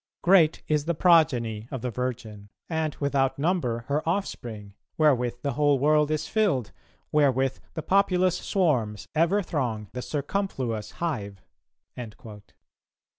... Great is the progeny of the Virgin, and without number her offspring, wherewith the whole world is filled, wherewith the populous swarms ever throng the circumfluous hive."